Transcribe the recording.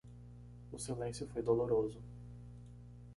O silêncio foi doloroso.